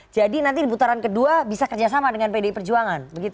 jadi nanti di putaran kedua bisa kerjasama dengan pdi perjuangan